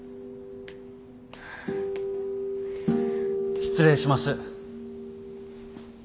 失礼します。